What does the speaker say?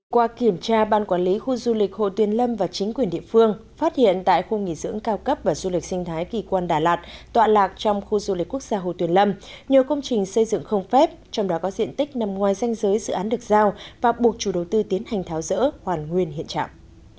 qua kiểm tra ban quản lý khu du lịch hồ tuyền lâm và chính quyền địa phương phát hiện tại khu nghỉ dưỡng cao cấp và du lịch sinh thái kỳ quan đà lạt tọa lạc trong khu du lịch quốc gia hồ tuyền lâm nhiều công trình xây dựng không phép trong đó có diện tích nằm ngoài danh giới dự án được giao và buộc chủ đầu tư tiến hành tháo rỡ hoàn nguyên hiện trạng